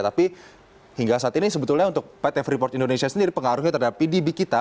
tapi hingga saat ini sebetulnya untuk pt freeport indonesia sendiri pengaruhnya terhadap pdb kita